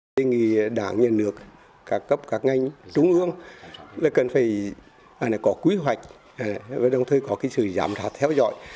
tuy nhiên đảng nhà nước các cấp các ngành trung ương cần phải có quy hoạch và đồng thời có sự giảm rạc theo dõi